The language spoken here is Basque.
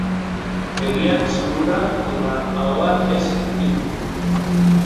Begiak, sudurra eta ahoa ez ukitu.